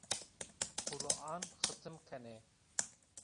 Quran xitim kenê